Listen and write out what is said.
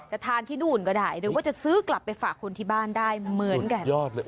ทานที่นู่นก็ได้หรือว่าจะซื้อกลับไปฝากคนที่บ้านได้เหมือนกัน